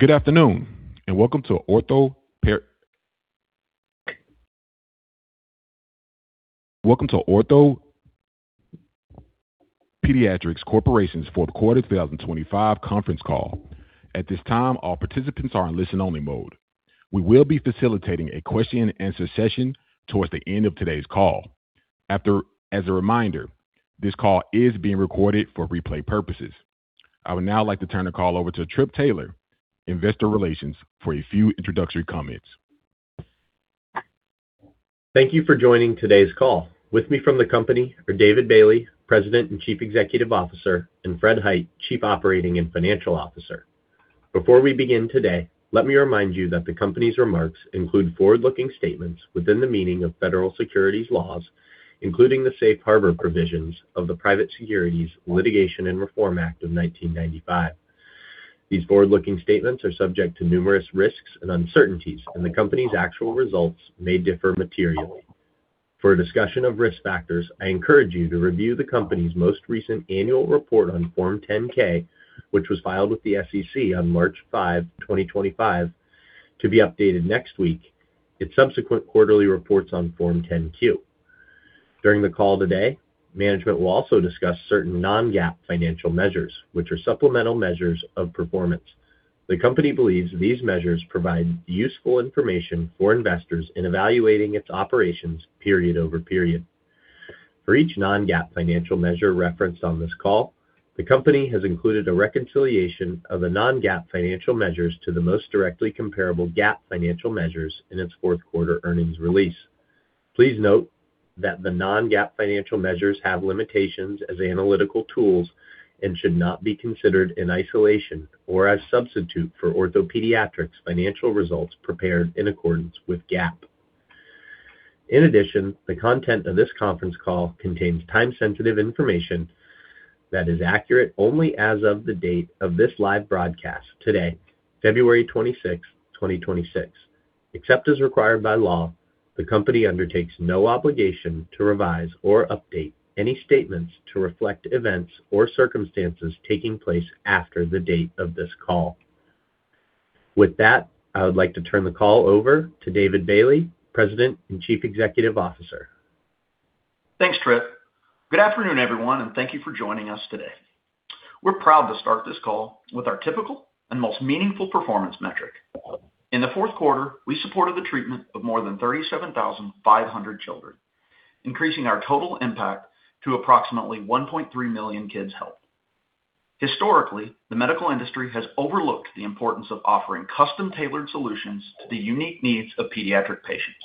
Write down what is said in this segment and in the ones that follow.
Good afternoon, welcome to OrthoPediatrics Corp.'s fourth quarter 2025 conference call. At this time, all participants are in listen-only mode. We will be facilitating a question-and-answer session towards the end of today's call. As a reminder, this call is being recorded for replay purposes. I would now like to turn the call over to Trip Taylor, Investor Relations, for a few introductory comments. Thank you for joining today's call. With me from the company are David Bailey, President and Chief Executive Officer, and Fred Hite, Chief Operating and Financial Officer. Before we begin today, let me remind you that the company's remarks include forward-looking statements within the meaning of federal securities laws, including the Safe Harbor provisions of the Private Securities Litigation Reform Act of 1995. These forward-looking statements are subject to numerous risks and uncertainties. The company's actual results may differ materially. For a discussion of risk factors, I encourage you to review the company's most recent annual report on Form 10-K, which was filed with the SEC on March 5, 2025, to be updated next week, its subsequent quarterly reports on Form 10-Q. During the call today, management will also discuss certain non-GAAP financial measures, which are supplemental measures of performance. The company believes these measures provide useful information for investors in evaluating its operations period over period. For each non-GAAP financial measure referenced on this call, the company has included a reconciliation of the non-GAAP financial measures to the most directly comparable GAAP financial measures in its fourth quarter earnings release. Please note that the non-GAAP financial measures have limitations as analytical tools and should not be considered in isolation or as substitute for OrthoPediatrics financial results prepared in accordance with GAAP. In addition, the content of this conference call contains time-sensitive information that is accurate only as of the date of this live broadcast today, February 26, 2026. Except as required by law, the company undertakes no obligation to revise or update any statements to reflect events or circumstances taking place after the date of this call. With that, I would like to turn the call over to David Bailey, President and Chief Executive Officer. Thanks, Trip. Good afternoon, everyone, thank you for joining us today. We're proud to start this call with our typical and most meaningful performance metric. In the fourth quarter, we supported the treatment of more than 37,500 children, increasing our total impact to approximately 1.3 million kids helped. Historically, the medical industry has overlooked the importance of offering custom-tailored solutions to the unique needs of pediatric patients.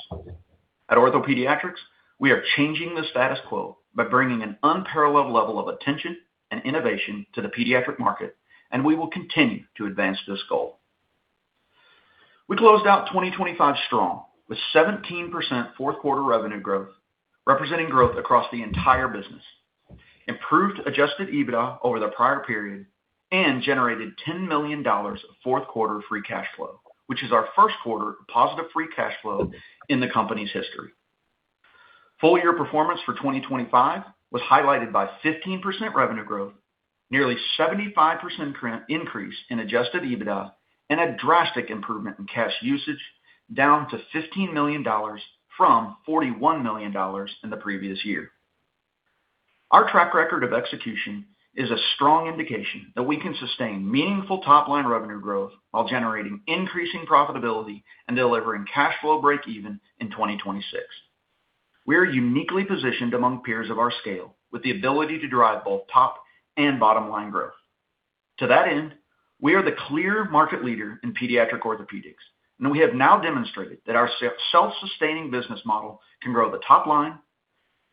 At OrthoPediatrics, we are changing the status quo by bringing an unparalleled level of attention and innovation to the pediatric market, we will continue to advance this goal. We closed out 2025 strong, with 17% fourth quarter revenue growth, representing growth across the entire business, improved Adjusted EBITDA over the prior period and generated $10 million of fourth quarter free cash flow, which is our first quarter positive free cash flow in the company's history. Full year performance for 2025 was highlighted by 15% revenue growth, nearly 75% increase in Adjusted EBITDA, and a drastic improvement in cash usage, down to $15 million from $41 million in the previous year. Our track record of execution is a strong indication that we can sustain meaningful top-line revenue growth while generating increasing profitability and delivering cash flow break even in 2026. We are uniquely positioned among peers of our scale with the ability to drive both top and bottom line growth. To that end, we are the clear market leader in pediatric orthopedics. We have now demonstrated that our self-sustaining business model can grow the top line,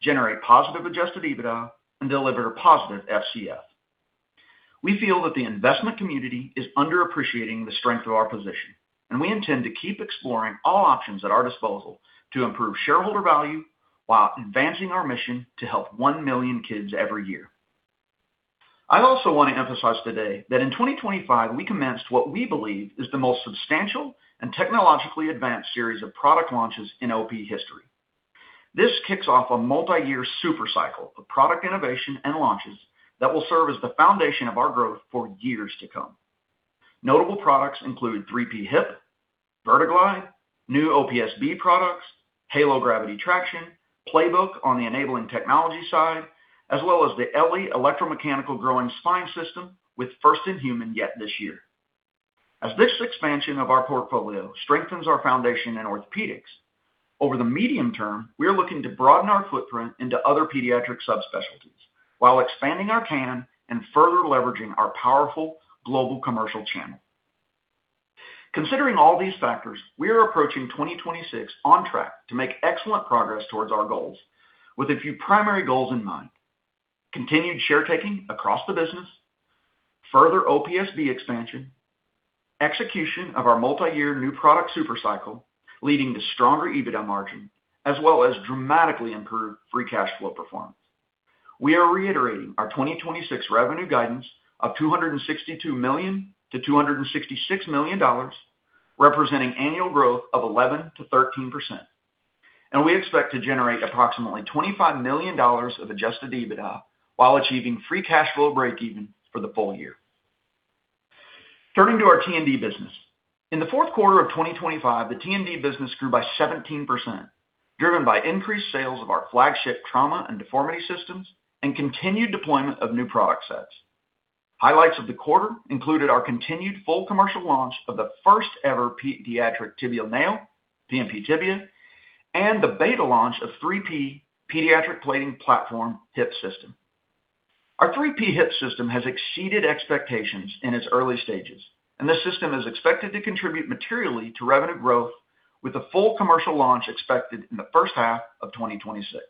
generate positive Adjusted EBITDA, and deliver positive FCF. We feel that the investment community is underappreciating the strength of our position, and we intend to keep exploring all options at our disposal to improve shareholder value while advancing our mission to help 1 million kids every year. I also want to emphasize today that in 2025, we commenced what we believe is the most substantial and technologically advanced series of product launches in OP history. This kicks off a multiyear super cycle of product innovation and launches that will serve as the foundation of our growth for years to come. Notable products include 3P Hip, VerteGlide, new OPSB products, Halo Gravity Traction, Playbook on the enabling technology side, as well as the eLLi electromechanical growing rod system, with first in human yet this year. This expansion of our portfolio strengthens our foundation in orthopedics, over the medium term, we are looking to broaden our footprint into other pediatric subspecialties while expanding our CAM and further leveraging our powerful global commercial channel. Considering all these factors, we are approaching 2026 on track to make excellent progress towards our goals with a few primary goals in mind: continued share taking across the business, further OPSB expansion, execution of our multi-year new product super cycle, leading to stronger EBITDA margin, as well as dramatically improved free cash flow performance. We are reiterating our 2026 revenue guidance of $262 million to $266 million, representing annual growth of 11%-13%. We expect to generate approximately $25 million of Adjusted EBITDA, while achieving free cash flow breakeven for the full year. Turning to our T&D business. In Q4 2025, the T&D business grew by 17%, driven by increased sales of our flagship trauma and deformity systems and continued deployment of new product sets. Highlights of the quarter included our continued full commercial launch of the first-ever pediatric tibial nail, PNP Tibia, and the beta launch of 3P Pediatric Plating Platform Hip System. Our 3P Hip system has exceeded expectations in its early stages. This system is expected to contribute materially to revenue growth with a full commercial launch expected in the first half of 2026.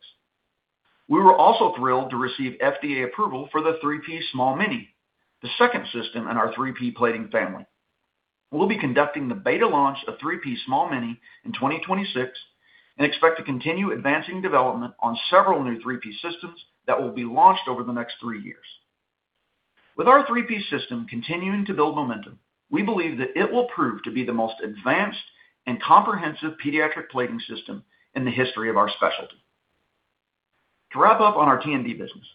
We were also thrilled to receive FDA approval for the 3P Small-Mini, the second system in our 3P plating family. We'll be conducting the beta launch of 3P Small-Mini in 2026, and expect to continue advancing development on several new 3P systems that will be launched over the next three years. With our 3P system continuing to build momentum, we believe that it will prove to be the most advanced and comprehensive pediatric plating system in the history of our specialty. To wrap up on our T&D business,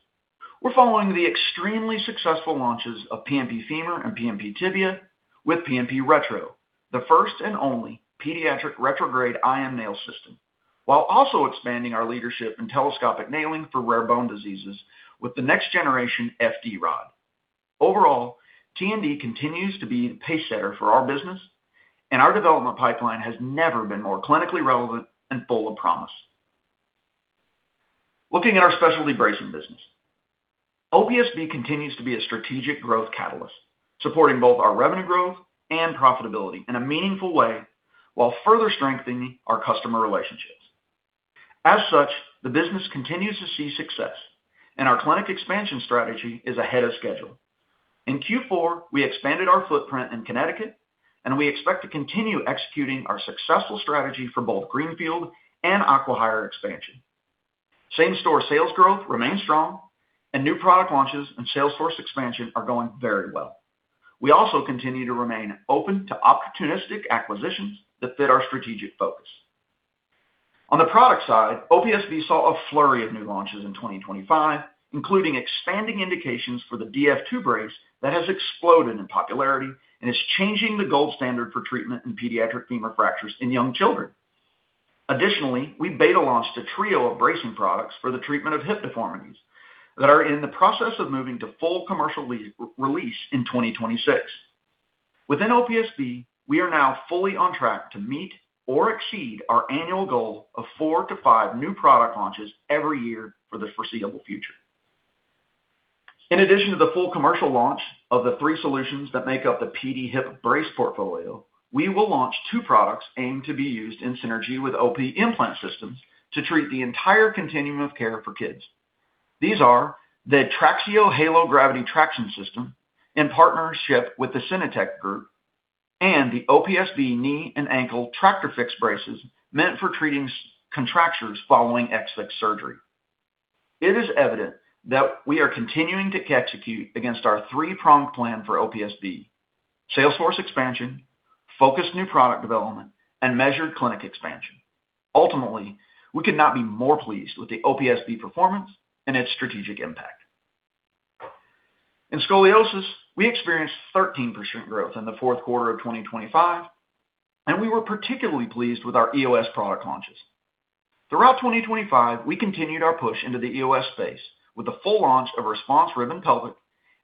we're following the extremely successful launches of PNP Femur and PNP Tibia with PNP Retro, the first and only pediatric retrograde IM nail system, while also expanding our leadership in telescopic nailing for rare bone diseases with the next generation FD rod. Overall, T&D continues to be the pacesetter for our business. Our development pipeline has never been more clinically relevant and full of promise. Looking at our specialty bracing business. OPSB continues to be a strategic growth catalyst, supporting both our revenue growth and profitability in a meaningful way, while further strengthening our customer relationships. As such, the business continues to see success, and our clinic expansion strategy is ahead of schedule. In Q4, we expanded our footprint in Connecticut. We expect to continue executing our successful strategy for both greenfield and acqui-hire expansion. Same-store sales growth remains strong, and new product launches and sales force expansion are going very well. We also continue to remain open to opportunistic acquisitions that fit our strategic focus. On the product side, OPSB saw a flurry of new launches in 2025, including expanding indications for the DF2 brace that has exploded in popularity and is changing the gold standard for treatment in pediatric femur fractures in young children. Additionally, we beta launched a trio of bracing products for the treatment of hip deformities that are in the process of moving to full commercial release in 2026. Within OPSB, we are now fully on track to meet or exceed our annual goal of four to five new product launches every year for the foreseeable future. In addition to the full commercial launch of the three solutions that make up the PD Hip Brace portfolio, we will launch two products aimed to be used in synergy with OP Implant Systems to treat the entire continuum of care for kids. These are the Traxio Halo Gravity Traction System, in partnership with the Syntech Group, and the OPSB Knee and Ankle TrakFix braces meant for treating contractures following excision surgery. It is evident that we are continuing to execute against our three-pronged plan for OPSB: sales force expansion, focused new product development, and measured clinic expansion. Ultimately, we could not be more pleased with the OPSB performance and its strategic impact. In scoliosis, we experienced 13% growth in the fourth quarter of 2025, and we were particularly pleased with our EOS product launches. Throughout 2025, we continued our push into the EOS space with the full launch of RESPONSE Rib and Pelvic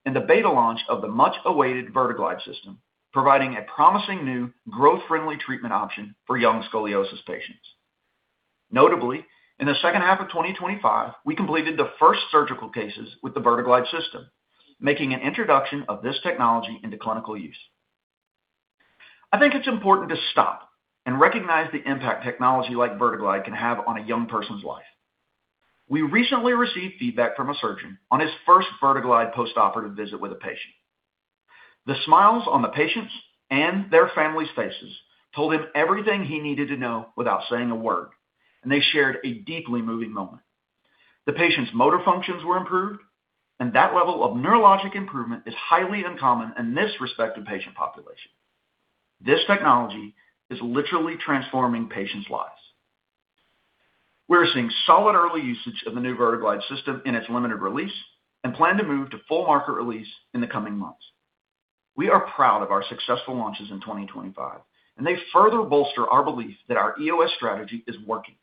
and the beta launch of the much-awaited VerteGlide system, providing a promising new growth-friendly treatment option for young scoliosis patients. Notably, in the second half of 2025, we completed the first surgical cases with the VerteGlide system, making an introduction of this technology into clinical use. I think it's important to stop and recognize the impact technology like VerteGlide can have on a young person's life. We recently received feedback from a surgeon on his first VerteGlide postoperative visit with a patient. The smiles on the patients' and their families' faces told him everything he needed to know without saying a word, and they shared a deeply moving moment. The patient's motor functions were improved, and that level of neurologic improvement is highly uncommon in this respective patient population. This technology is literally transforming patients' lives. We're seeing solid early usage of the new VerteGlide system in its limited release and plan to move to full market release in the coming months. We are proud of our successful launches in 2025. They further bolster our belief that our EOS strategy is working.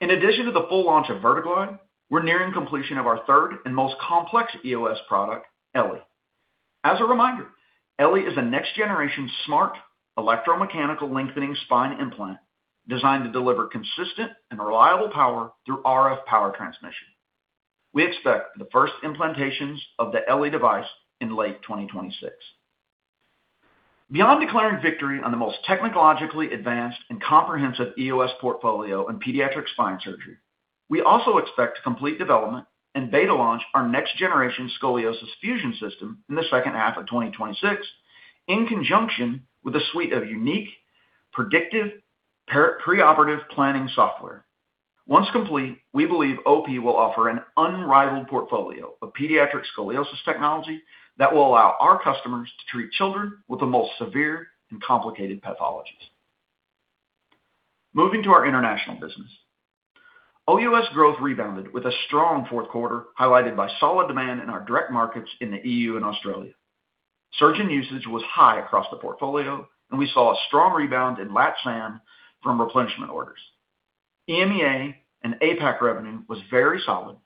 In addition to the full launch of VerteGlide, we're nearing completion of our third and most complex EOS product, eLLi. As a reminder, eLLi is a next-generation smart electromechanical lengthening spine implant designed to deliver consistent and reliable power through RF power transmission. We expect the first implantations of the eLLi device in late 2026. Beyond declaring victory on the most technologically advanced and comprehensive EOS portfolio in pediatric spine surgery, we also expect to complete development and beta launch our next-generation scoliosis fusion system in the second half of 2026, in conjunction with a suite of unique, predictive pre-operative planning software. Once complete, we believe OP will offer an unrivaled portfolio of pediatric scoliosis technology that will allow our customers to treat children with the most severe and complicated pathologies. Moving to our international business. OUS growth rebounded with a strong fourth quarter, highlighted by solid demand in our direct markets in the EU and Australia. Surgeon usage was high across the portfolio, we saw a strong rebound in LatAm from replenishment orders. EMEA and APAC revenue was very solid,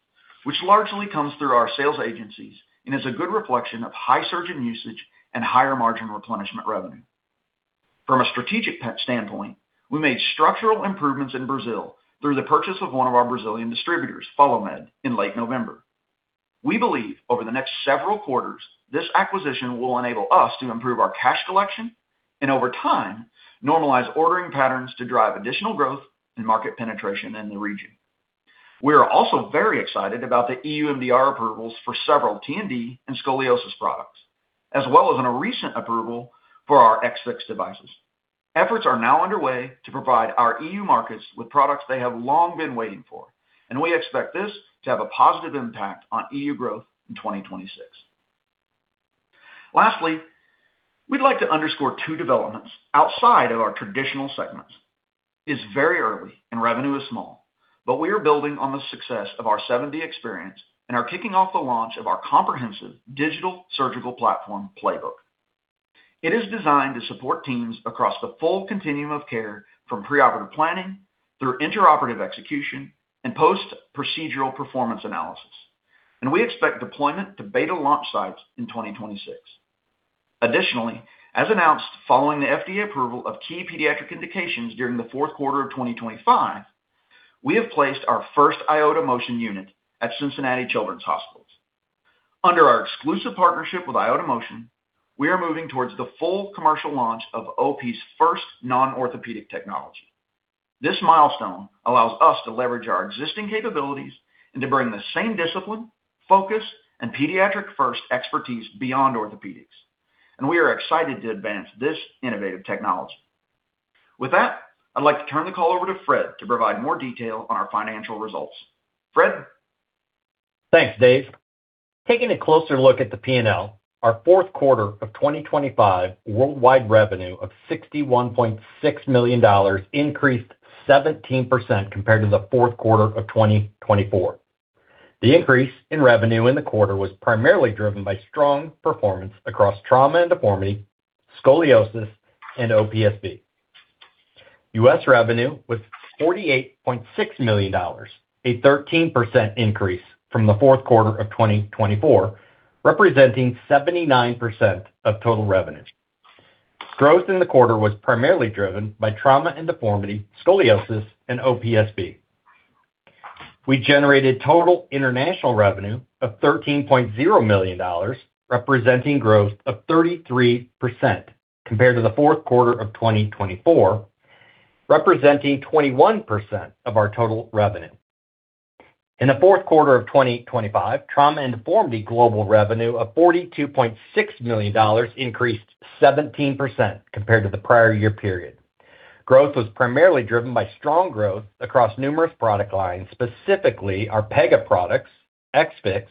which largely comes through our sales agencies and is a good reflection of high surgeon usage and higher margin replenishment revenue. From a strategic standpoint, we made structural improvements in Brazil through the purchase of one of our Brazilian distributors, Foliumed, in late November. We believe over the next several quarters, this acquisition will enable us to improve our cash collection and over time, normalize ordering patterns to drive additional growth and market penetration in the region. We are also very excited about the EU MDR approvals for several TNB and scoliosis products, as well as in a recent approval for our X-Fix devices. Efforts are now underway to provide our EU markets with products they have long been waiting for, and we expect this to have a positive impact on EU growth in 2026. Lastly, we'd like to underscore two developments outside of our traditional segments. It's very early and revenue is small, but we are building on the success of our 7D experience and are kicking off the launch of our comprehensive digital surgical platform, Playbook. It is designed to support teams across the full continuum of care, from preoperative planning through intraoperative execution and post-procedural performance analysis. We expect deployment to beta launch sites in 2026. Additionally, as announced, following the FDA approval of key pediatric indications during the fourth quarter of 2025, we have placed our first IOTA Motion unit at Cincinnati Children's Hospitals. Under our exclusive partnership with IOTA Motion, we are moving towards the full commercial launch of OP's first non-orthopedic technology. This milestone allows us to leverage our existing capabilities and to bring the same discipline, focus, and pediatric-first expertise beyond orthopedics, and we are excited to advance this innovative technology. With that, I'd like to turn the call over to Fred to provide more detail on our financial results. Fred? Thanks, Dave. Taking a closer look at the P&L, our fourth quarter of 2025 worldwide revenue of $61.6 million increased 17% compared to the fourth quarter of 2024. The increase in revenue in the quarter was primarily driven by strong performance across trauma and deformity, scoliosis, and OPSB. U.S. revenue was $48.6 million, a 13% increase from the fourth quarter of 2024, representing 79% of total revenue. Growth in the quarter was primarily driven by trauma and deformity, scoliosis, and OPSB. We generated total international revenue of $13.0 million, representing growth of 33% compared to the fourth quarter of 2024, representing 21% of our total revenue. In the fourth quarter of 2025, Trauma and Deformity global revenue of $42.6 million increased 17% compared to the prior year period. Growth was primarily driven by strong growth across numerous product lines, specifically our Pega products, X-Fix,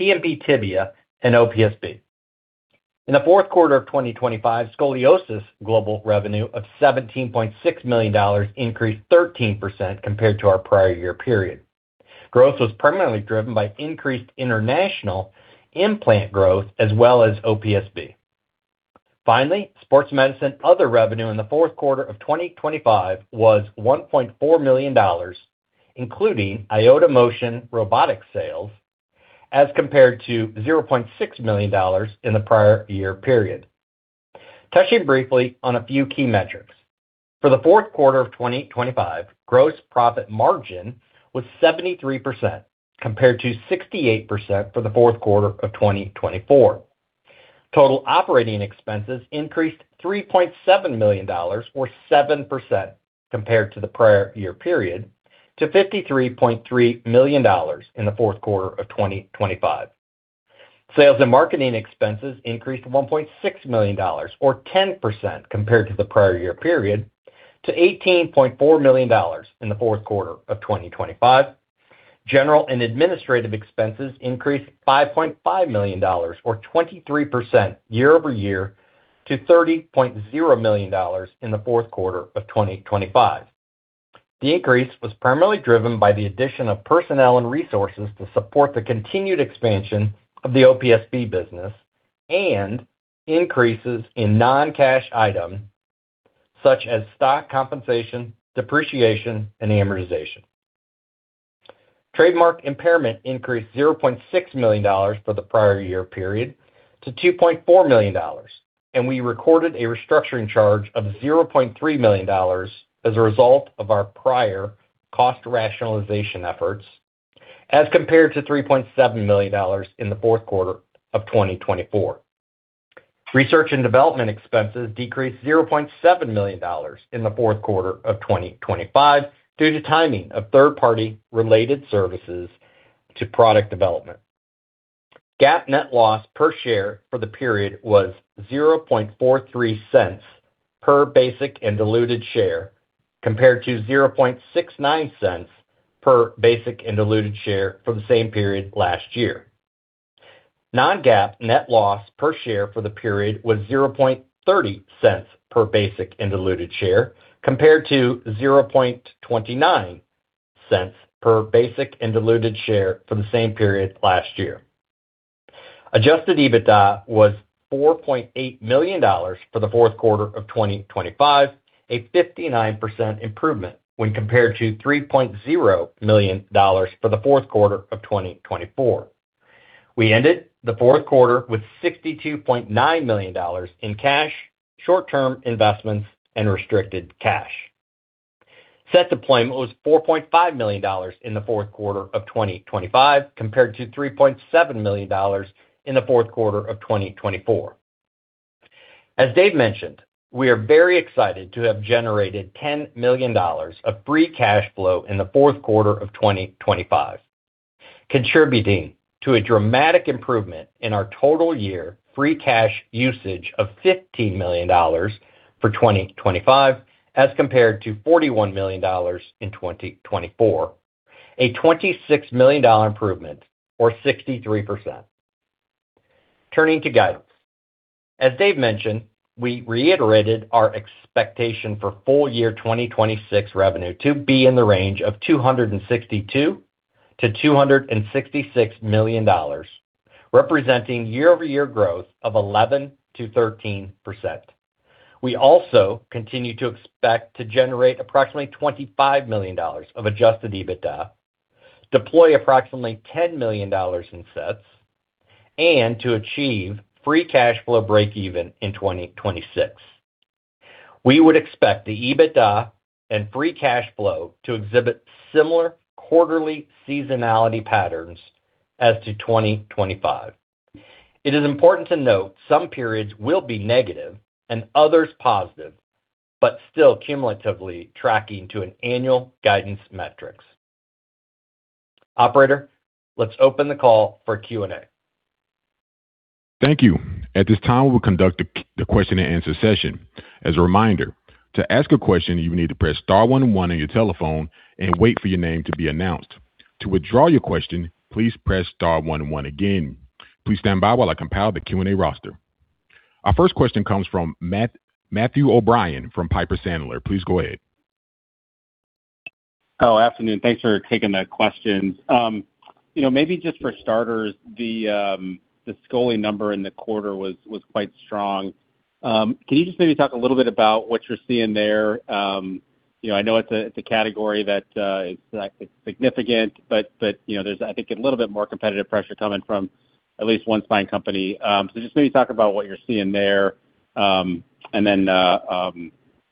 PNP Tibia, and OPSB. In the fourth quarter of 2025, Scoliosis global revenue of $17.6 million increased 13% compared to our prior year period. Growth was primarily driven by increased international implant growth as well as OPSB. Sports Medicine. Other revenue in the fourth quarter of 2025 was $1.4 million, including IOTA Motion robotic sales, as compared to $0.6 million in the prior year period. Touching briefly on a few key metrics. For the 4th quarter of 2025, gross profit margin was 73%, compared to 68% for the 4th quarter of 2024. Total operating expenses increased $3.7 million, or 7% compared to the prior year period, to $53.3 million in the 4th quarter of 2025. Sales and Marketing expenses increased to $1.6 million or 10% compared to the prior year period to $18.4 million in the 4th quarter of 2025. General and Administrative expenses increased $5.5 million or 23% year-over-year to $30.0 million in the 4th quarter of 2025. The increase was primarily driven by the addition of personnel and resources to support the continued expansion of the OPSB business and increases in non-cash items such as stock compensation, depreciation, and amortization. Trademark impairment increased $0.6 million for the prior year period to $2.4 million. We recorded a restructuring charge of $0.3 million as a result of our prior cost rationalization efforts, as compared to $3.7 million in the fourth quarter of 2024. Research and development expenses decreased $0.7 million in the fourth quarter of 2025 due to timing of third-party related services to product development. GAAP net loss per share for the period was $0.43 per basic and diluted share, compared to $0.69 per basic and diluted share for the same period last year. Non-GAAP net loss per share for the period was $0.30 per basic and diluted share, compared to $0.29 per basic and diluted share from the same period last year. Adjusted EBITDA was $4.8 million for the fourth quarter of 2025, a 59% improvement when compared to $3.0 million for the fourth quarter of 2024. We ended the fourth quarter with $62.9 million in cash, short-term investments, and restricted cash. Set deployment was $4.5 million in the fourth quarter of 2025, compared to $3.7 million in the fourth quarter of 2024. As Dave mentioned, we are very excited to have generated $10 million of free cash flow in the fourth quarter of 2025, contributing to a dramatic improvement in our total year free cash usage of $15 million for 2025, as compared to $41 million in 2024, a $26 million improvement, or 63%. Turning to guidance. As Dave mentioned, we reiterated our expectation for full year 2026 revenue to be in the range of $262 million-$266 million, representing year-over-year growth of 11%-13%. We also continue to expect to generate approximately $25 million of Adjusted EBITDA, deploy approximately $10 million in sets, and to achieve free cash flow breakeven in 2026. We would expect the EBITDA and free cash flow to exhibit similar quarterly seasonality patterns as to 2025. It is important to note some periods will be negative and others positive, but still cumulatively tracking to an annual guidance metrics. Operator, let's open the call for Q&A. Thank you. At this time, we'll conduct the question-and-answer session. As a reminder, to ask a question, you need to press star one on your telephone and wait for your name to be announced. To withdraw your question, please press star one one again. Please stand by while I compile the Q&A roster. Our first question comes from Matthew O'Brien from Piper Sandler. Please go ahead. Afternoon. Thanks for taking the questions. You know, maybe just for starters, the Scoli number in the quarter was quite strong. Can you just maybe talk a little bit about what you're seeing there? You know, I know it's a category that is significant, but, you know, there's, I think, a little bit more competitive pressure coming from at least one spine company. Just maybe talk about what you're seeing there, and then,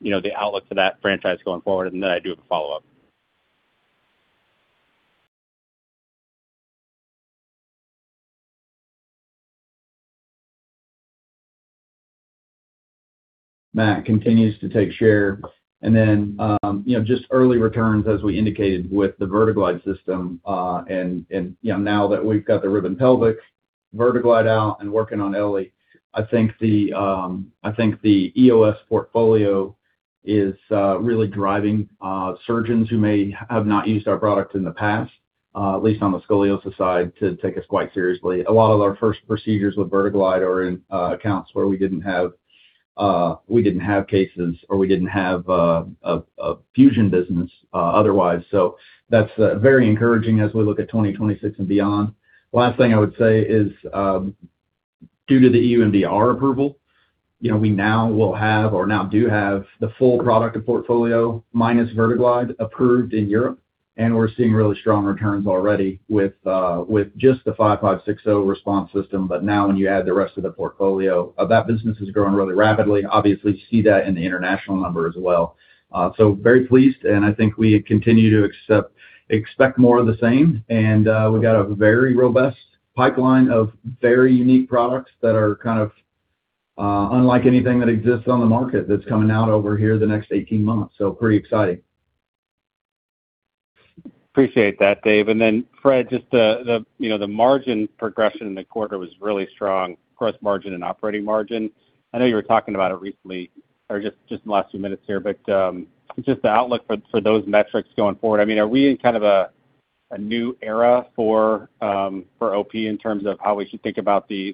you know, the outlook for that franchise going forward, and then I do have a follow-up. That continues to take share. You know, just early returns, as we indicated with the VerteGlide system, and, you know, now that we've got the Rib and Pelvic VerteGlide out and working on eLLi, I think the, I think the EOS portfolio is really driving surgeons who may have not used our product in the past, at least on the scoliosis side, to take us quite seriously. A lot of our first procedures with VerteGlide are in accounts where we didn't have, we didn't have cases, or we didn't have a fusion business otherwise. That's very encouraging as we look at 2026 and beyond. Last thing I would say is, due to the EU MDR approval, you know, we now will have or now do have the full product portfolio, minus VerteGlide, approved in Europe. We're seeing really strong returns already with just the RESPONSE 5.5/6.0 system. Now, when you add the rest of the portfolio, that business is growing really rapidly. Obviously, you see that in the international number as well. Very pleased, I think I continue to expect more of the same. We've got a very robust pipeline of very unique products that are kind of unlike anything that exists on the market that's coming out over here the next 18 months. Pretty exciting. Appreciate that, Dave. Then, Fred, just the, you know, the margin progression in the quarter was really strong, gross margin and operating margin. I know you were talking about it recently or just in the last few minutes here, but, just the outlook for those metrics going forward, I mean, are we in kind of a new era for OP in terms of how we should think about the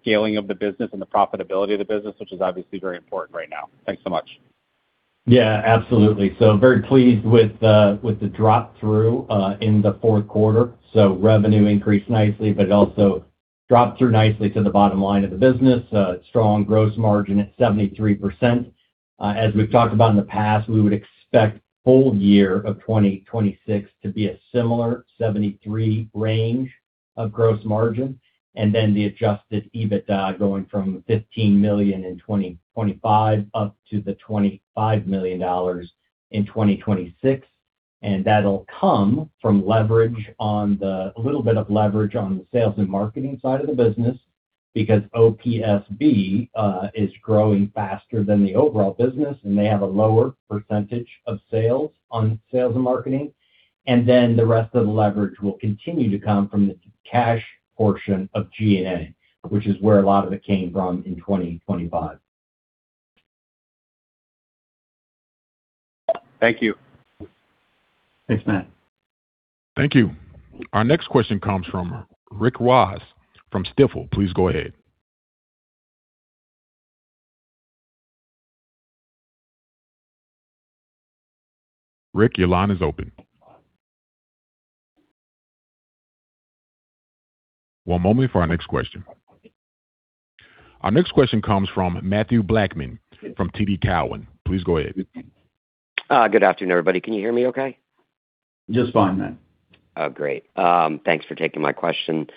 scaling of the business and the profitability of the business, which is obviously very important right now? Thanks so much. Absolutely. Very pleased with the drop-through in the fourth quarter. Revenue increased nicely, but it also dropped through nicely to the bottom line of the business. Strong gross margin at 73%. As we've talked about in the past, we would expect full year of 2026 to be a similar 73% range of gross margin, and then the Adjusted EBITDA going from $15 million in 2025 up to the $25 million in 2026. That'll come from leverage on the a little bit of leverage on the sales and marketing side of the business.... because OPSB is growing faster than the overall business, and they have a lower % of sales on sales and marketing. The rest of the leverage will continue to come from the cash portion of G&A, which is where a lot of it came from in 2025. Thank you. Thanks, Matt. Thank you. Our next question comes from Rick Wise from Stifel. Please go ahead. Rick, your line is open. One moment for our next question. Our next question comes from Mathew Blackman from TD Cowen. Please go ahead. Good afternoon, everybody. Can you hear me okay? Just fine, Matt. Oh, great. Thanks for taking my question.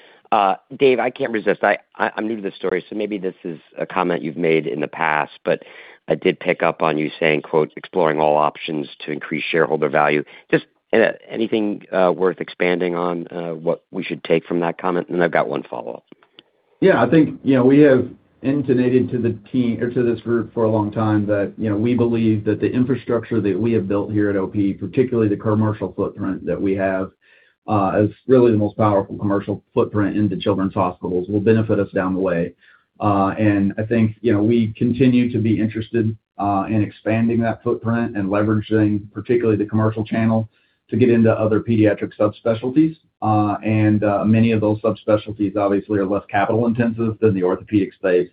Dave, I can't resist. I'm new to this story, so maybe this is a comment you've made in the past, but I did pick up on you saying, quote, "Exploring all options to increase shareholder value." Just anything worth expanding on what we should take from that comment? Then I've got one follow-up. Yeah, I think, you know, we have indicated to the team or to this group for a long time that, you know, we believe that the infrastructure that we have built here at OP, particularly the commercial footprint that we have, is really the most powerful commercial footprint in the children's hospitals, will benefit us down the way. I think, you know, we continue to be interested in expanding that footprint and leveraging particularly the commercial channel to get into other pediatric subspecialties. Many of those subspecialties obviously are less capital-intensive than the orthopedic space.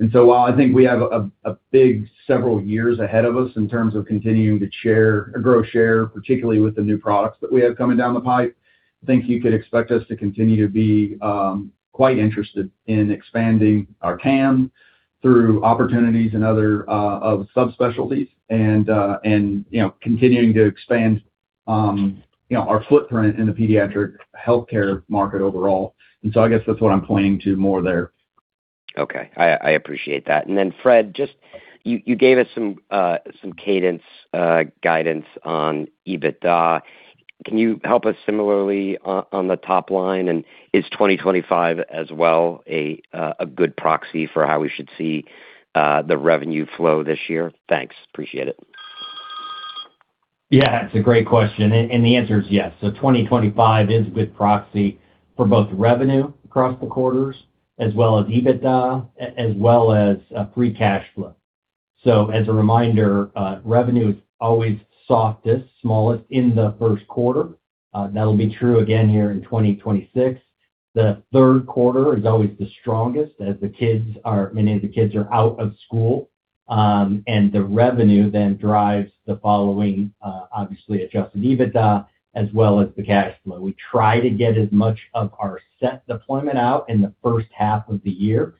While I think we have a big several years ahead of us in terms of continuing to grow share, particularly with the new products that we have coming down the pipe, I think you could expect us to continue to be quite interested in expanding our CAM through opportunities and other of subspecialties and, you know, continuing to expand, you know, our footprint in the pediatric healthcare market overall. I guess that's what I'm pointing to more there. Okay, I appreciate that. Fred, just, you gave us some cadence guidance on EBITDA. Can you help us similarly on the top line? Is 2025 as well, a good proxy for how we should see the revenue flow this year? Thanks. Appreciate it. Yeah, it's a great question, and the answer is yes. 2025 is a good proxy for both revenue across the quarters as well as EBITDA, as well as free cash flow. As a reminder, revenue is always softest, smallest in the first quarter. That'll be true again here in 2026. The third quarter is always the strongest as many of the kids are out of school, and the revenue then drives the following, obviously, Adjusted EBITDA as well as the cash flow. We try to get as much of our set deployment out in the first half of the year.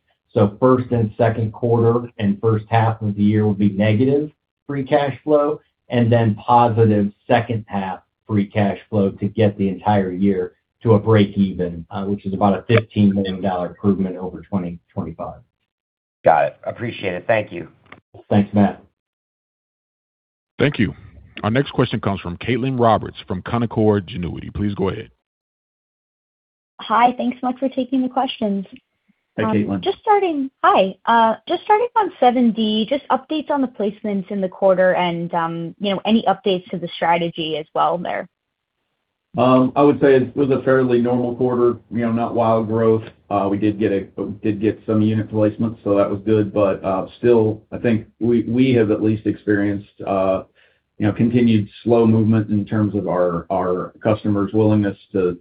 First and second quarter and first half of the year will be negative free cash flow, and then positive second half free cash flow to get the entire year to a break even, which is about a $15 million improvement over 2025. Got it. I appreciate it. Thank you. Thanks, Matt. Thank you. Our next question comes from Caitlin Cronin from Canaccord Genuity. Please go ahead. Hi, thanks so much for taking the questions. Hi, Caitlin. Hi. Just starting on 7D, just updates on the placements in the quarter and, you know, any updates to the strategy as well there. I would say it was a fairly normal quarter, you know, not wild growth. We did get some unit placements, so that was good. Still, I think we have at least experienced, you know, continued slow movement in terms of our customers' willingness to,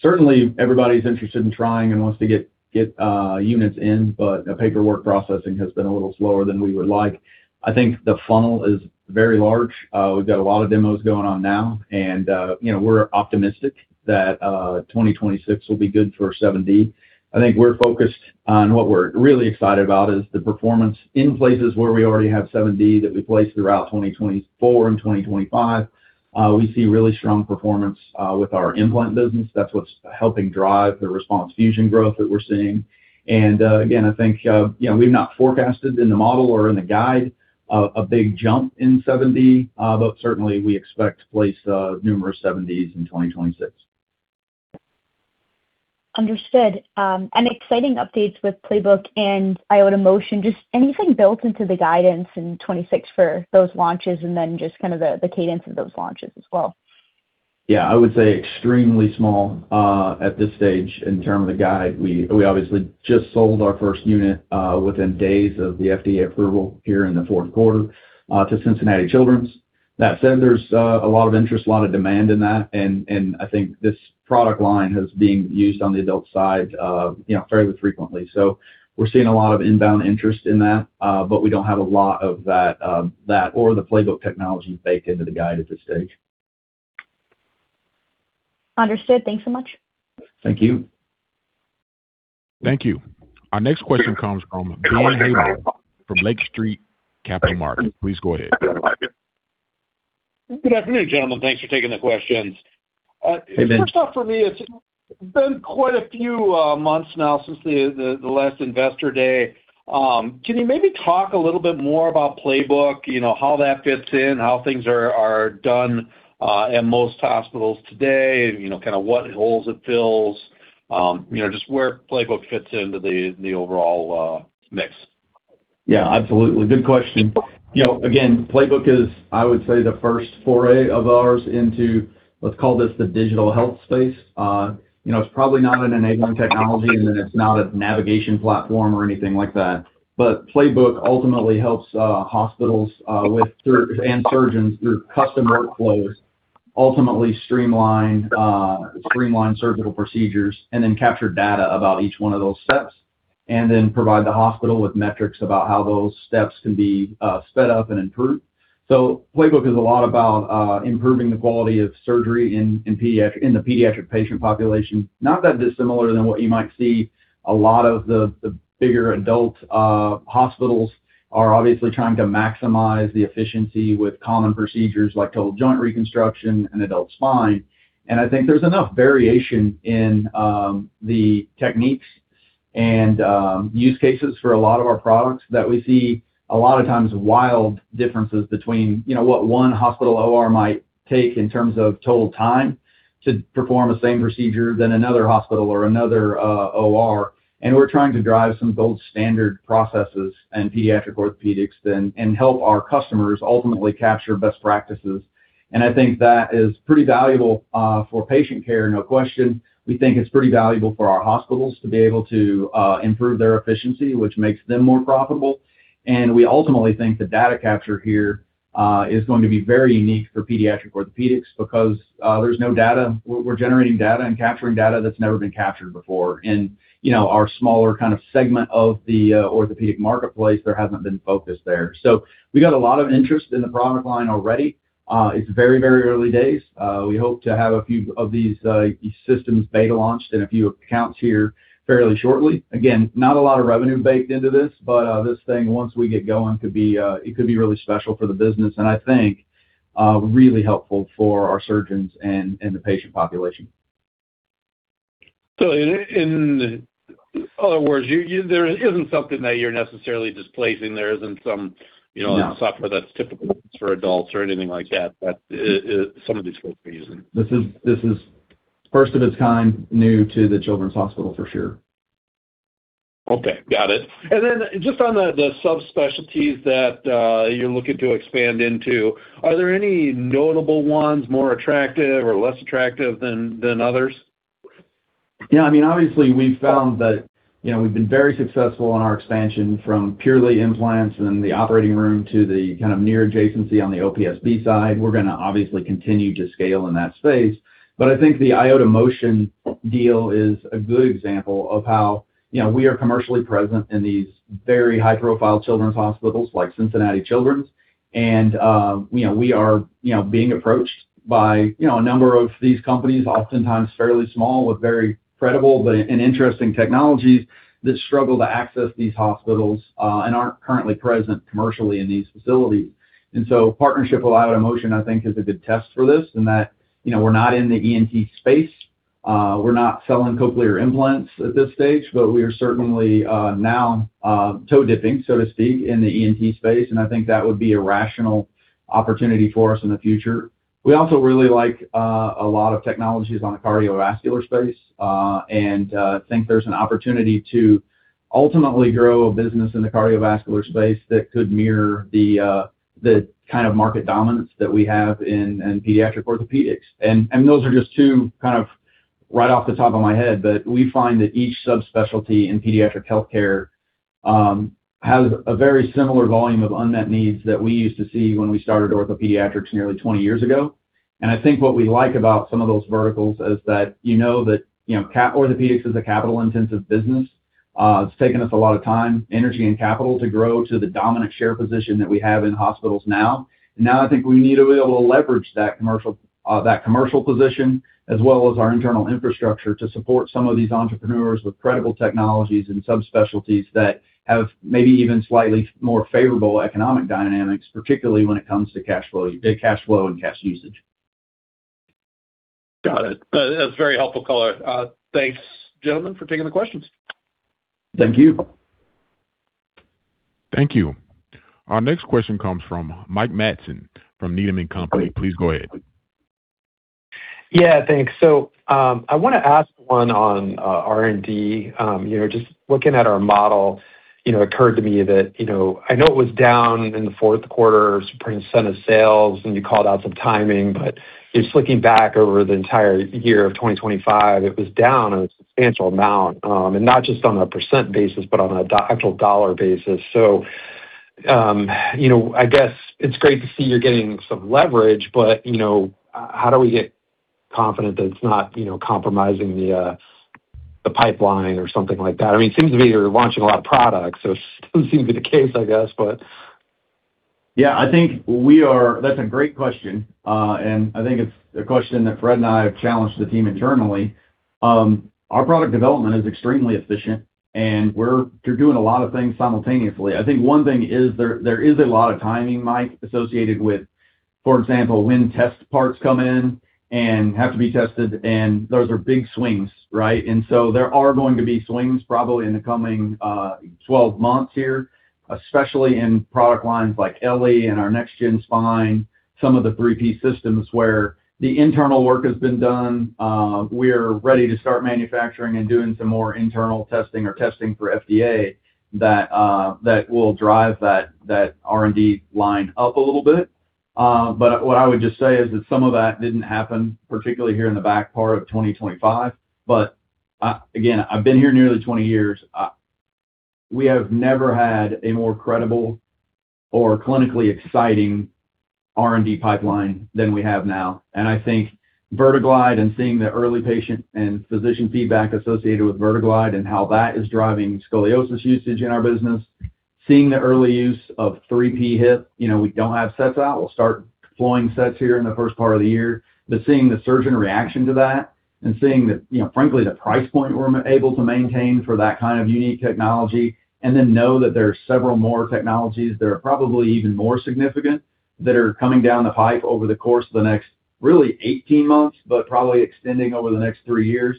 certainly, everybody's interested in trying and wants to get units in, but the paperwork processing has been a little slower than we would like. I think the funnel is very large. We've got a lot of demos going on now, and, you know, we're optimistic that 2026 will be good for 7D. I think we're focused on what we're really excited about is the performance in places where we already have 7D that we placed throughout 2024 and 2025. We see really strong performance with our implant business. That's what's helping drive the RESPONSE fusion growth that we're seeing. Again, I think, you know, we've not forecasted in the model or in the guide a big jump in 7D, but certainly we expect to place numerous 7Ds in 2026. Understood. Exciting updates with Playbook and IOTA Motion. Just anything built into the guidance in 2026 for those launches, and then just kind of the cadence of those launches as well? I would say extremely small, at this stage in term of the guide. We obviously just sold our first unit within days of the FDA approval here in the fourth quarter to Cincinnati Children's. That said, there's a lot of interest, a lot of demand in that, and I think this product line is being used on the adult side, you know, fairly frequently. We're seeing a lot of inbound interest in that, but we don't have a lot of that or the Playbook technology baked into the guide at this stage. Understood. Thanks so much. Thank you. Thank you. Our next question comes from Benjamin Haynor from Lake Street Capital Markets. Please go ahead. Good afternoon, gentlemen. Thanks for taking the questions. Hey, Ben. First off, for me, it's been quite a few months now since the last Investor Day. Can you maybe talk a little bit more about Playbook, you know, how that fits in, how things are done at most hospitals today, and, you know, kind of what holes it fills? You know, just where Playbook fits into the overall mix. Yeah, absolutely. Good question. You know, again, Playbook is, I would say, the first foray of ours into, let's call this the digital health space. You know, it's probably not an enabling technology, and then it's not a navigation platform or anything like that. Playbook ultimately helps hospitals and surgeons through custom workflows, ultimately streamline surgical procedures, and then capture data about each one of those steps, and then provide the hospital with metrics about how those steps can be sped up and improved. Playbook is a lot about improving the quality of surgery in the pediatric patient population, not that dissimilar than what you might see a lot of the bigger adult hospitals are obviously trying to maximize the efficiency with common procedures like total joint reconstruction and adult spine. I think there's enough variation in the techniques and use cases for a lot of our products that we see, a lot of times, wild differences between, you know, what one hospital OR might take in terms of total time to perform the same procedure than another hospital or another OR. We're trying to drive some gold standard processes in pediatric orthopedics then, and help our customers ultimately capture best practices. I think that is pretty valuable for patient care, no question. We think it's pretty valuable for our hospitals to be able to improve their efficiency, which makes them more profitable. We ultimately think the data capture here is going to be very unique for pediatric orthopedics because there's no data. We're generating data and capturing data that's never been captured before. You know, our smaller kind of segment of the orthopedic marketplace, there hasn't been focus there. We got a lot of interest in the product line already. It's very, very early days. We hope to have a few of these systems beta launched in a few accounts here fairly shortly. Again, not a lot of revenue baked into this, but this thing, once we get going, could be really special for the business, and I think really helpful for our surgeons and the patient population. In other words, you there isn't something that you're necessarily displacing. There isn't some, you know. No... software that's typical for adults or anything like that, some of these folks are using. This is first of its kind, new to the children's hospital for sure. Okay, got it. Then just on the subspecialties that you're looking to expand into, are there any notable ones, more attractive or less attractive than others? Yeah, I mean, obviously, we've found that, you know, we've been very successful in our expansion from purely implants and the operating room to the kind of near adjacency on the OPSB side. We're gonna obviously continue to scale in that space. I think the IOTA Motion deal is a good example of how, you know, we are commercially present in these very high-profile children's hospitals, like Cincinnati Children's. You know, we are, you know, being approached by, you know, a number of these companies, oftentimes fairly small, with very credible but, and interesting technologies that struggle to access these hospitals and aren't currently present commercially in these facilities. Partnership with IOTA Motion, I think, is a good test for this, in that, you know, we're not in the ENT space, we're not selling cochlear implants at this stage, but we are certainly now toe dipping, so to speak, in the ENT space, and I think that would be a rational opportunity for us in the future. We also really like a lot of technologies on the cardiovascular space, and think there's an opportunity to ultimately grow a business in the cardiovascular space that could mirror the kind of market dominance that we have in pediatric orthopedics. Those are just two, kind of, right off the top of my head. We find that each subspecialty in pediatric healthcare, has a very similar volume of unmet needs that we used to see when we started OrthoPediatrics nearly 20 years ago. I think what we like about some of those verticals is that you know that, you know, orthopedics is a capital-intensive business. It's taken us a lot of time, energy, and capital to grow to the dominant share position that we have in hospitals now. I think we need to be able to leverage that commercial, that commercial position, as well as our internal infrastructure, to support some of these entrepreneurs with credible technologies and subspecialties that have maybe even slightly more favorable economic dynamics, particularly when it comes to cash flow, big cash flow and cash usage. Got it. That's a very helpful color. Thanks, gentlemen, for taking the questions. Thank you. Thank you. Our next question comes from Mike Matson from Needham & Company. Please go ahead. Yeah, thanks. I wanna ask one on R&D. you know, just looking at our model, you know, it occurred to me that, I know it was down in the fourth quarter % of sales, and you called out some timing, but just looking back over the entire year of 2025, it was down a substantial amount, and not just on a % basis, but on an actual dollar basis. you know, I guess it's great to see you're getting some leverage, but, you know, how do we get confident that it's not, you know, compromising the pipeline or something like that? I mean, it seems to me you're launching a lot of products, so it still seems to be the case, I guess, but... Yeah, I think that's a great question. And I think it's a question that Fred and I have challenged the team internally. Our product development is extremely efficient, and we're doing a lot of things simultaneously. I think one thing is there is a lot of timing, Mike, associated with, for example, when test parts come in and have to be tested, and those are big swings, right? So there are going to be swings probably in the coming 12 months here, especially in product lines like eLLi and our next-gen spine, some of the three-piece systems where the internal work has been done. We are ready to start manufacturing and doing some more internal testing or testing for FDA that will drive that R&D line up a little bit. what I would just say is that some of that didn't happen, particularly here in the back part of 2025. again, I've been here nearly 20 years. we have never had a more credible or clinically exciting R&D pipeline than we have now. I think VerteGlide and seeing the early patient and physician feedback associated with VerteGlide and how that is driving scoliosis usage in our business, seeing the early use of 3P Hip, you know, we don't have sets out. We'll start flowing sets here in the first part of the year. Seeing the surgeon reaction to that and seeing that, you know, frankly, the price point we're able to maintain for that kind of unique technology, and then know that there are several more technologies that are probably even more significant, that are coming down the pipe over the course of the next, really, 18 months, but probably extending over the next three years.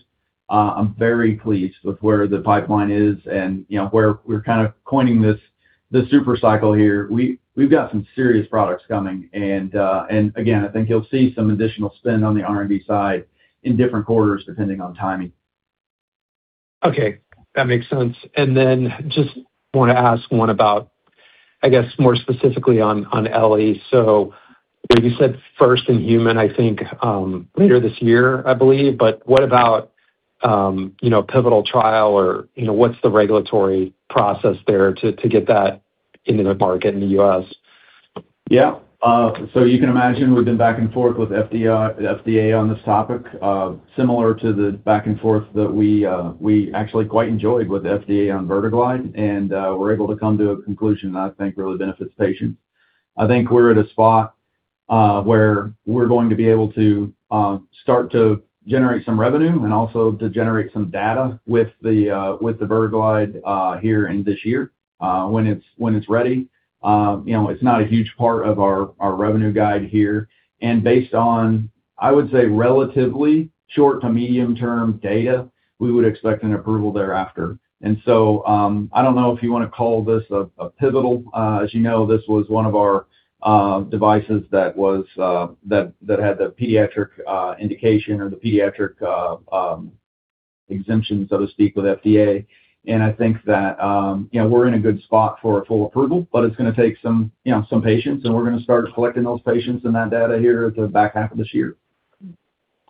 I'm very pleased with where the pipeline is and, you know, where we're kind of coining this, the super cycle here. We've got some serious products coming, and again, I think you'll see some additional spend on the R&D side in different quarters, depending on timing. Okay, that makes sense. Then just want to ask one about, I guess, more specifically on eLLi. You said first in human, I think, later this year, I believe. What about, you know, pivotal trial or, you know, what's the regulatory process there to get that into the market in the U.S.? Yeah. You can imagine we've been back and forth with FDA on this topic, similar to the back and forth that we actually quite enjoyed with the FDA on VerteGlide, We're able to come to a conclusion that I think really benefits patients. I think we're at a spot where we're going to be able to start to generate some revenue and also to generate some data with the VerteGlide here in this year when it's ready. You know, it's not a huge part of our revenue guide here, based on, I would say, relatively short to medium-term data, we would expect an approval thereafter. I don't know if you want to call this a pivotal. As you know, this was one of our devices that had the pediatric indication or the pediatric exemption, so to speak, with FDA. I think that, you know, we're in a good spot for a full approval, but it's gonna take some, you know, some patients, and we're gonna start collecting those patients and that data here at the back half of this year.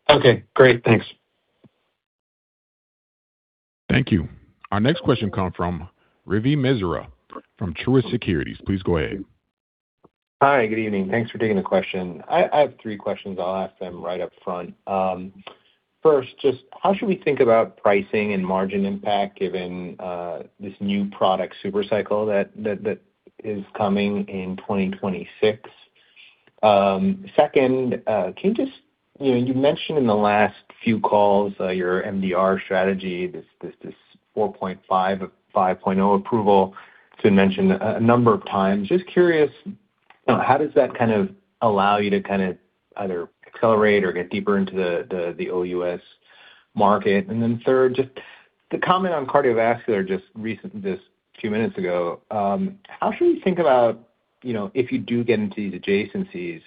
Okay, great. Thanks. Thank you. Our next question comes from Ravi Misra from Truist Securities. Please go ahead. Hi, good evening. Thanks for taking the question. I have three questions. I'll ask them right up front. First, just how should we think about pricing and margin impact given this new product super cycle that is coming in 2026? Second, can you just... You know, you mentioned in the last few calls, your MDR strategy, this 4.5.0 approval, it's been mentioned a number of times. Just curious, how does that kind of allow you to kind of either accelerate or get deeper into the OUS market? Third, just the comment on cardiovascular, just a few minutes ago, how should we think about, you know, if you do get into these adjacencies,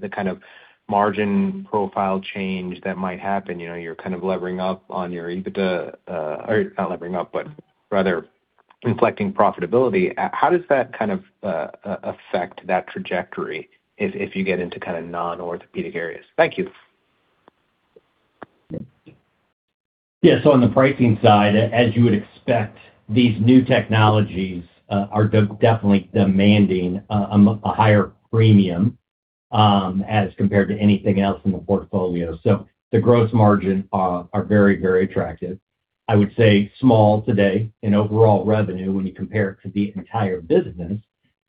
the kind of margin profile change that might happen? You know, you're kind of levering up on your EBITDA, or not levering up, but rather inflecting profitability. How does that kind of affect that trajectory if you get into kind of non-orthopedic areas? Thank you. On the pricing side, as you would expect, these new technologies are definitely demanding a higher premium as compared to anything else in the portfolio. The gross margin are very, very attractive. I would say small today in overall revenue when you compare it to the entire business,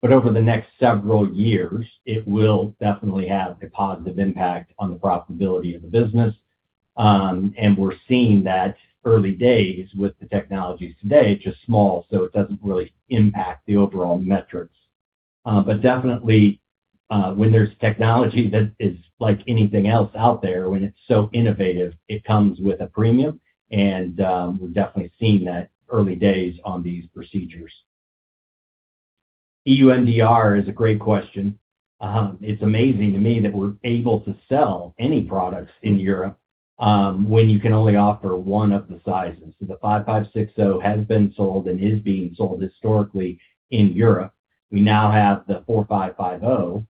but over the next several years, it will definitely have a positive impact on the profitability of the business. We're seeing that early days with the technologies today, just small, so it doesn't really impact the overall metrics. Definitely, when there's technology that is like anything else out there, when it's so innovative, it comes with a premium, and we've definitely seen that early days on these procedures. EU MDR is a great question. It's amazing to me that we're able to sell any products in Europe when you can only offer one of the sizes. The 5.5/6.0 has been sold and is being sold historically in Europe. We now have the 4.5/5.0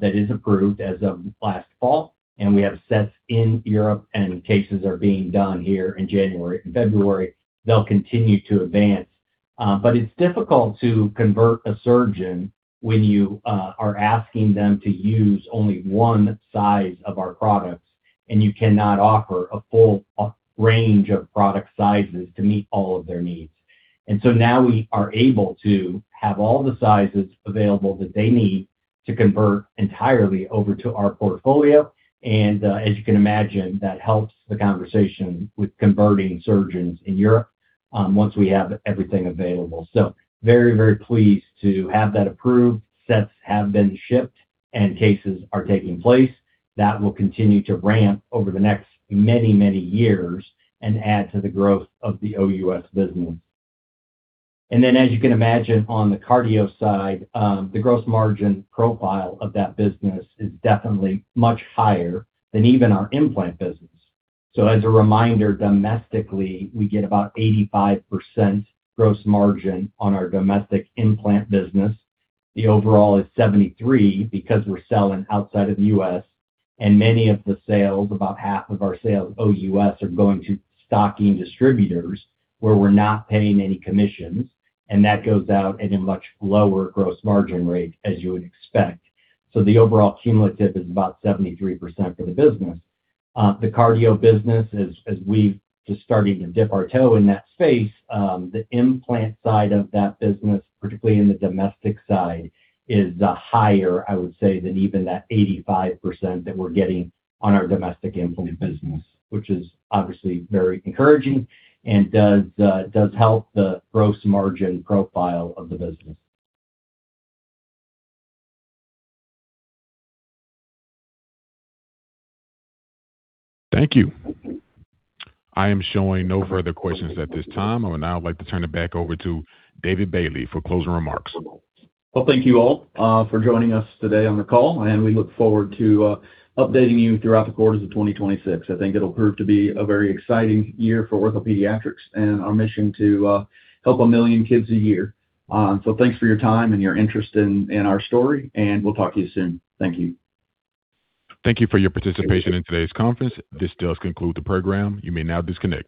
that is approved as of last fall, and we have sets in Europe, and cases are being done here in January, February. They'll continue to advance. It's difficult to convert a surgeon when you are asking them to use only one size of our products, and you cannot offer a full range of product sizes to meet all of their needs. Now we are able to have all the sizes available that they need to convert entirely over to our portfolio, and as you can imagine, that helps the conversation with converting surgeons in Europe, once we have everything available. Very, very pleased to have that approved. Sets have been shipped and cases are taking place. That will continue to ramp over the next many, many years and add to the growth of the OUS business. As you can imagine, on the cardio side, the gross margin profile of that business is definitely much higher than even our implant business. As a reminder, domestically, we get about 85% gross margin on our domestic implant business. The overall is 73 because we're selling outside of the U.S., and many of the sales, about half of our sales, OUS, are going to stocking distributors, where we're not paying any commissions, and that goes out at a much lower gross margin rate, as you would expect. The overall cumulative is about 73% for the business. The cardio business, as we've just starting to dip our toe in that space, the implant side of that business, particularly in the domestic side, is higher, I would say, than even that 85% that we're getting on our domestic implant business, which is obviously very encouraging and does help the gross margin profile of the business. Thank you. I am showing no further questions at this time. I would now like to turn it back over to David Bailey for closing remarks. Well, thank you all for joining us today on the call, and we look forward to updating you throughout the course of 2026. I think it'll prove to be a very exciting year for OrthoPediatrics and our mission to help 1 million kids a year. Thanks for your time and your interest in our story, and we'll talk to you soon. Thank you. Thank you for your participation in today's conference. This does conclude the program. You may now disconnect.